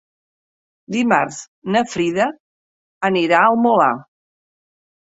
Dimarts na Frida anirà al Molar.